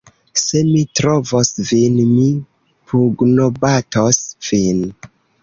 "Se mi trovos vin, mi pugnobatos vin!"